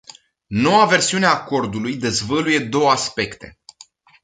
Noua versiune a acordului dezvăluie două aspecte.